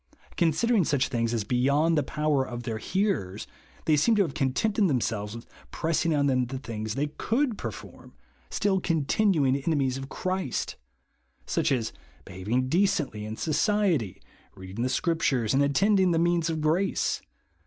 Considering such things as be yond the power of their hearers, they seem to have contented themselves with j)ress ing on them the things they could per form, still continuing enemies of Christ ; such as behaving decently in society, reading the Scriptures, and attending the means of grace.